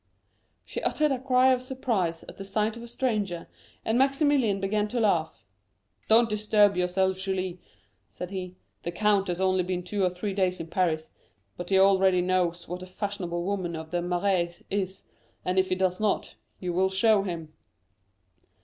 She uttered a cry of surprise at the sight of a stranger, and Maximilian began to laugh. "Don't disturb yourself, Julie," said he. "The count has only been two or three days in Paris, but he already knows what a fashionable woman of the Marais is, and if he does not, you will show him."